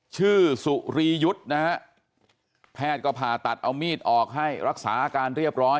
สุรียุทธ์นะฮะแพทย์ก็ผ่าตัดเอามีดออกให้รักษาอาการเรียบร้อย